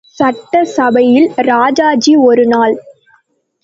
சட்டசபையில், ராஜாஜி ஒருநாள்.